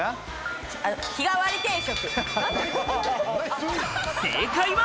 日替わり定食。